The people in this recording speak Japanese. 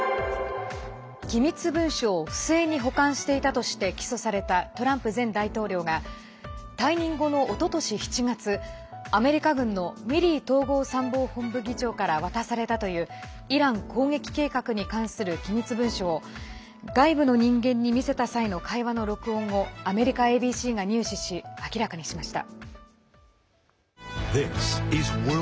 機密文書を不正に保管していたとして起訴されたトランプ前大統領が退任後の、おととし７月アメリカ軍のミリー統合参謀本部議長から渡されたというイラン攻撃計画に関する機密文書を外部の人間に見せた際の会話の録音をアメリカＡＢＣが入手し明らかにしました。